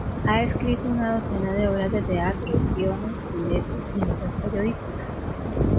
Ha escrito una docena de obras de teatro, guiones, libretos y notas periodísticas.